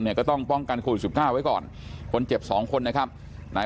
เนี่ยก็ต้องป้องกันคุณสุดท่าไว้ก่อนคนเจ็บ๒คนนะครับนาย